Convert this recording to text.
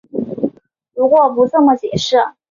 如果不这么解释